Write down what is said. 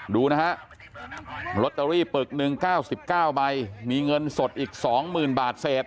ดูนะฮะลอตเตอรี่ปลึกหนึ่งเก้าสิบเก้าใบมีเงินสดอีกสองหมื่นบาทเศษ